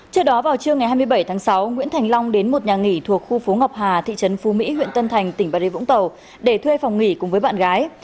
trước đó vào trưa ngày hai mươi bảy tháng sáu nguyễn thành long đến một nhà nghỉ thuộc khu phố ngọc hà thị trấn phú mỹ huyện tân thành tỉnh bà rê vũng tàu để thuê phòng nghỉ cùng với bạn gái